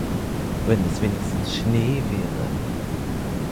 Wenn es wenigstens Schnee wäre!